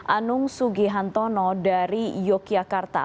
anung sugihantono dari yogyakarta